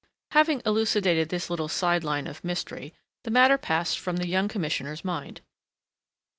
Having elucidated this little side line of mystery, the matter passed from the young Commissioner's mind.